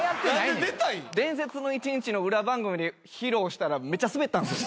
『伝説の一日』の裏番組で披露したらめっちゃスベったんすよ。